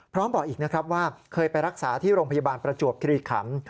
บอกอีกนะครับว่าเคยไปรักษาที่โรงพยาบาลประจวบคิริขัน